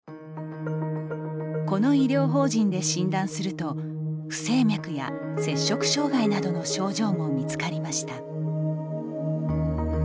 この医療法人で診断すると不整脈や摂食障害などの症状も見つかりました。